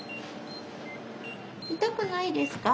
痛くないですか？